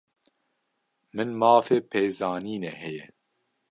Min mafê pêzanînê heye.